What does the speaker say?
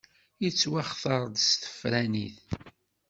Yettwaxtar-d s tefranin.